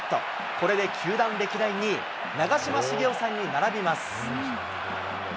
これで球団歴代２位、長嶋茂雄さんに並びます。